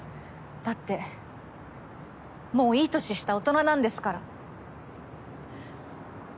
だってもういい年した大人なんですから。ははっ。